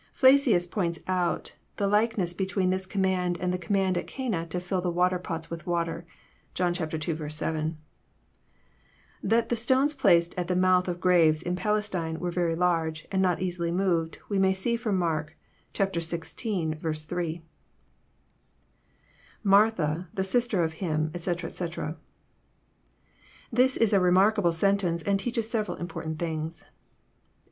Flacius points out the likeness between this command and the command at Cana to fill the water ^ots with water. (John li. 7.) That the stones placed at the month of graves in Palestine were very large, and not easily moved, we may see tcom Mark xvi. 3. IMartha, t?^ sister of him, etc., etc."] This is a remarkable sentence, and teaches several important th'ngs.